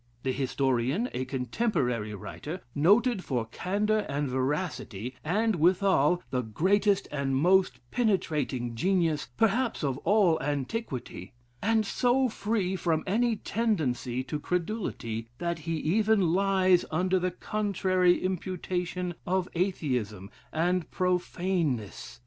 The historian, a contemporary writer, noted for candor and veracity, and, withal, the greatest and most, penetrating genius, perhaps of all antiquity; and so free from any tendency to credulity, that he even lies under the contrary imputation of Atheism and profaneness.